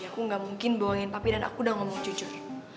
aku gak mungkin bohongin tapi dan aku udah ngomong cucunya